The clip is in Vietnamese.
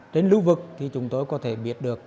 trên lưu vực thì chúng tôi có thể biết được